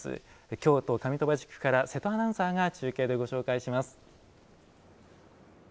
京都、上鳥羽地区から瀬戸アナウンサーが中継でご紹介します。